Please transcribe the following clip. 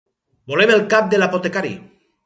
Volem el cap de l'apotecari.